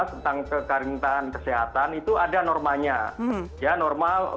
tentang kekarintahan kesehatan itu ada normanya